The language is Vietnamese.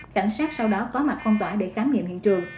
cảnh sát sau đó có mặt phong tỏa để khám nghiệm hiện trường